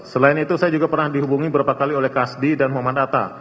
selain itu saya juga pernah dihubungi beberapa kali oleh kasdi dan muhammad atta